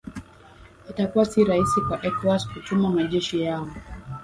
itakuwa si rahisi kwa ecowas kutuma majeshi yao